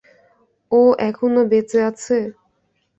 ও এখনো বেঁচে আছে?